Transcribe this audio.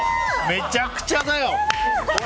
めちゃくちゃだよ！